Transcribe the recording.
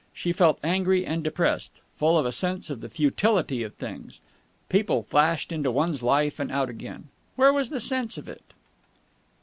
She felt angry and depressed, full of a sense of the futility of things. People flashed into one's life and out again. Where was the sense of it?